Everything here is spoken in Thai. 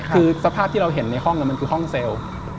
คือสภาพที่เราเห็นในห้องมันคือห้องเซลล์